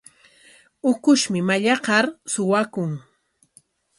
Ukushmi mallaqnar suwakun.